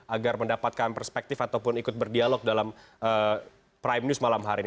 agar mendapatkan perspektif ataupun ikut berdialog dalam prime news malam hari ini